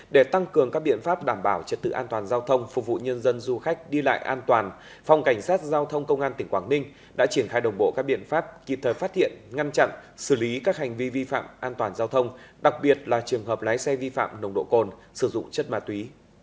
để tăng cường các biện pháp đảm bảo trật tự an toàn giao thông phục vụ nhân dân du khách đi lại an toàn phòng cảnh sát giao thông công an tỉnh quảng ninh đã triển khai đồng bộ các biện pháp kịp thời phát hiện ngăn chặn xử lý các hành vi vi phạm an toàn giao thông đặc biệt là trường hợp lái xe vi phạm nồng độ cồn sử dụng chất ma túy